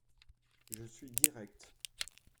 Je suis direct.